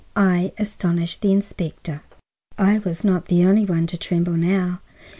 X. I ASTONISH THE INSPECTOR I was not the only one to tremble now.